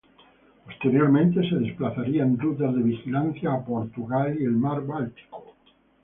Posteriormente se desplazaría en rutas de vigilancia a Portugal y al Mar Báltico.